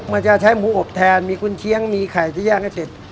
มันจะใช้หมูอบแทนมีกุญเชียงมีไข่ที่ย่างให้เสร็จ